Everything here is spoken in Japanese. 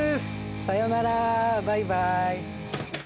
さよならバイバイ。